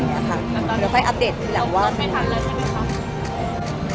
อุ้ยไม่ทันแล้วยั้งใช่ไหมครับ